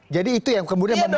jadi itu yang kemudian membuat